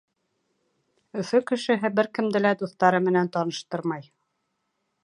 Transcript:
Өфө кешеһе бер кемде лә дуҫтары менән таныштырмай.